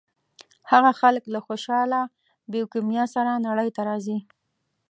هغه خلک له خوشاله بیوکیمیا سره نړۍ ته راځي.